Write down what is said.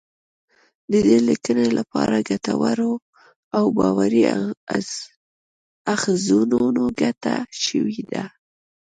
د دې لیکنی لپاره له ګټورو او باوري اخځونو ګټنه شوې ده